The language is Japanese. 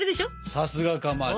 さすがかまど。